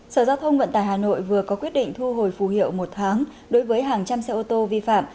sở giao thông vận tải hà nội vừa có quyết định thu hồi phù hiệu một tháng đối với hàng trăm xe ô tô vi phạm